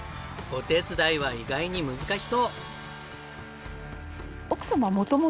お手伝いは意外に難しそう！